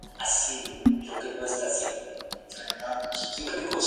Estados Unidos ha sido el destino mayoritario de los inmigrantes europeos.